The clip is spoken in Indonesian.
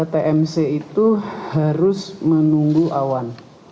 tmc itu harus menunggu awan